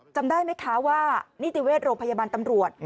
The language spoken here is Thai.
จำได้ไหมคะว่านิติเวชโรงพยาบาลตำรวจ